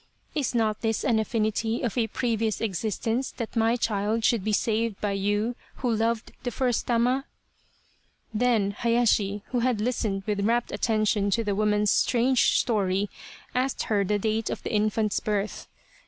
Is not this an affinity of a previous existence that my child should be saved by you who loved the first Tama ?" Then Hayashi, who had listened with rapt attention to the woman's strange story, asked her the date of the infant's birth.